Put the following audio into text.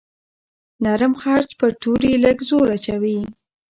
نرم خج پر توري لږ زور اچوي.